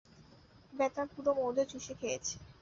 বেটা, পুরো মধু চুষে খেয়েছি।